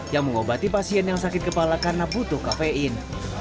yang mengobati pasien yang sakit kepala karena butuh kafein